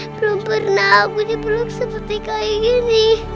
belum pernah aku dipeluk seperti kayak gini